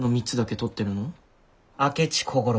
明智小五郎。